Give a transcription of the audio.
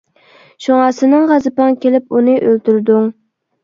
شۇڭا سېنىڭ غەزىپىڭ كېلىپ ئۇنى ئۆلتۈردۈڭ!